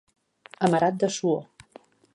Amarat de suor.